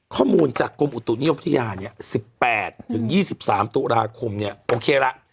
ข้อมูลจากกรมอุตุนิยมวิทยาเนี่ย๑๘๒๓ตุลาคมเนี่ยโอเคละ